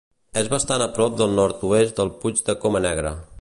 És bastant a prop al nord-oest del Puig de Coma Negra.